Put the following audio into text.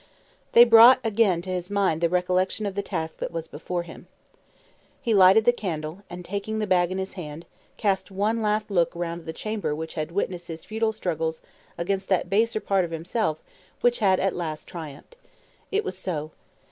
They brought again to his mind the recollection of the task that was before him. He lighted the candle, and, taking the bag in his hand, cast one last look round the chamber which had witnessed his futile struggles against that baser part of himself which had at last triumphed. It was so.